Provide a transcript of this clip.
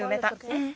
うん。